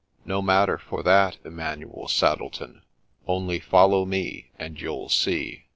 4 No matter for that, Emmanuel Saddleton ; only follow me, and you'll see